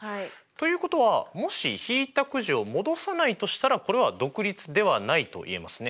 ということはもし引いたくじを戻さないとしたらこれは独立ではないと言えますね。